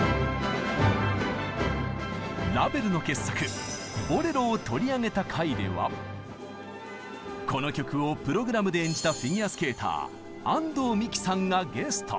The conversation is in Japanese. ラヴェルの傑作「ボレロ」を取り上げた回ではこの曲をプログラムで演じたフィギュアスケーター安藤美姫さんがゲスト。